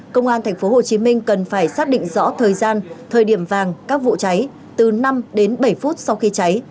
công an tp hcm cần phải xác định rõ thời gian thời điểm vàng các vụ cháy từ năm đến bảy phút sau khi cháy